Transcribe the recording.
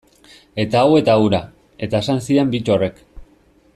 Eta hau eta hura, eta esan zidan Bittorrek.